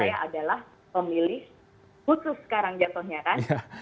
jadi saya adalah pemilih khusus sekarang jatuhnya kan